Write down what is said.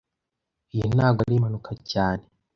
Iyi ntago ari impanuka cyane